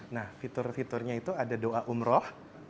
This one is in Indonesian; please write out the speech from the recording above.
nah fitur fiturnya itu ada doa umroh